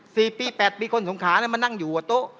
สี่ปีแปดปีคนสงขาน่ะมานั่งอยู่หัวโต๊ะ